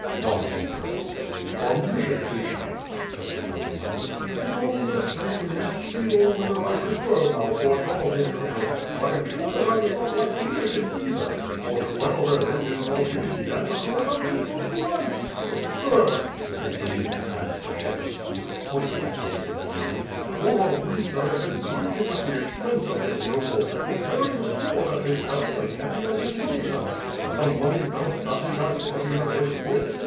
(Dog's entrails.) "From Myshikishki," said the nobleman. "It's all the same, nescio whether I prefer mouse or dog entrails, but I am sure that I would not like to live in either, WITH FIRE AND SWORD. 25 for to dwell therein is not easy, and to go out is not polite? Sir,'' he continued to Pan Skshetuski, pointing at the Lithu anian— "for a week I have been drinking at the expense of this noble, who carries a sword at his belt as heavy as his money belt, and a money belt that is as heavy as his wit.